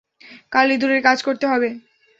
কাল ইঁদুরদের কাজ করতে হবে।